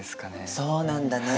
そうなんだね。